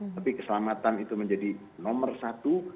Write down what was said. tapi keselamatan itu menjadi nomor satu